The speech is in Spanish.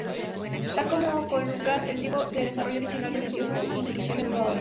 Tal como con Lucas, el tiempo de desarrollo adicional permitió su inclusión en "Brawl".